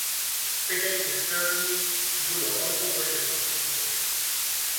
পেটের স্টেরনিটগুলো অল্প বয়সে চকচকে হয়ে ওঠে।